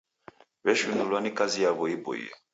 W'eshinulwa ni kazi yaw'o iboie.